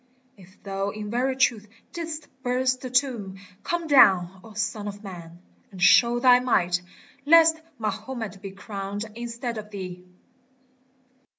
If thou in very truth didst burst the tomb Come down, O Son of Man ! and show thy might, Lest Mahomet be crowned instead of thee